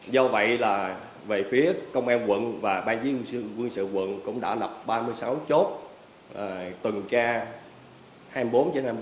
do vậy là về phía công an quận và ban chỉ huy quân sự quận cũng đã lập ba mươi sáu chốt tuần tra hai mươi bốn trên hai mươi bốn